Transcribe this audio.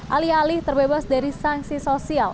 alih alih terbebas dari sanksi sosial